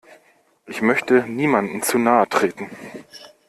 Ich möchte niemandem zu nahe treten.